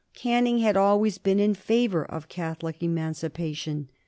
Canning had always been in favor of Catholic Emancipation.